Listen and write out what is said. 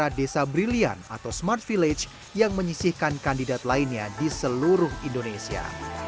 dan dia menjadi jawara desa brilliant atau smart village yang menyisihkan kandidat lainnya di seluruh indonesia